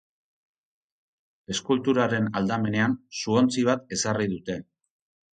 Eskulturaren aldamenean suontzi bat ezarri dute.